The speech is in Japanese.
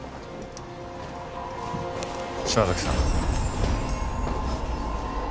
島崎さん。